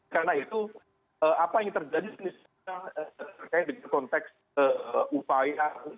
karena itu apa yang terjadi sebenarnya terkait dengan konteks upaya